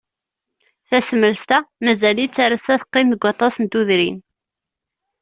Tasemrest-a, mazal-itt ar ass-a teqqim deg waṭas n tudrin.